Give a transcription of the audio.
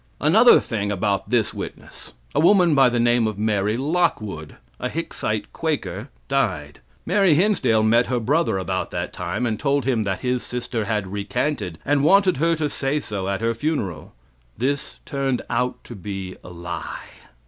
Another thing about this witness. A woman by the name of Mary Lockwood, a Hicksite Quaker, died. Mary Hinsdale met her brother about that time and told him that his sister had recanted, and wanted her to say so at her funeral. This turned out to be a lie.